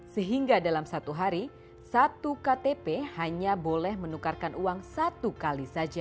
sehingga dalam satu hari satu ktp hanya boleh menukarkan uang satu kali saja